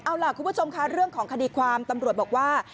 เอาล่ะคุณผู้ชมค่ะเรื่องของคดีความตำรวจบอกว่า